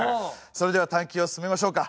それでは探究を進めましょうか。